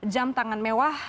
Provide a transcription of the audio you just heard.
jam tangan mewah